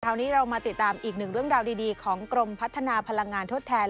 คราวนี้เรามาติดตามอีกหนึ่งเรื่องราวดีของกรมพัฒนาพลังงานทดแทน